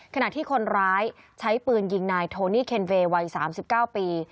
ขณะที่คนร้ายใช้ปืนยิงนายโทนี่เคนเวย์วัย๓๙ปี